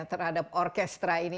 terhadap orkestra ini